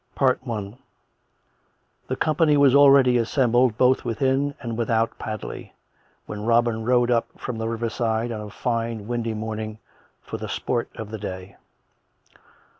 CHAPTER IV The corapany was already assembled both within and without Padley^ when Robin rode up from the riverside, on a fine, windy morning, for the sport of the day.